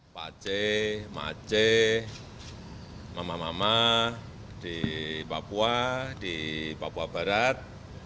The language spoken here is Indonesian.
pak aceh mak aceh mama mama di papua di papua barat